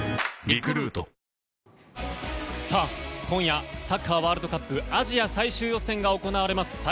今夜サッカーワールドカップアジア最終予選が行われます